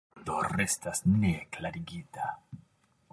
La murdo restas neklarigita.